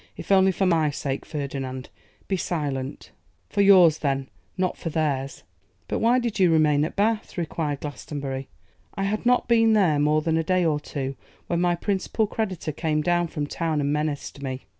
'If only for my sake, Ferdinand, be silent.' 'For yours, then, not for theirs.' 'But why did you remain at Bath?' enquired Glastonbury. 'I had not been there more than a day or two, when my principal creditor came down from town and menaced me.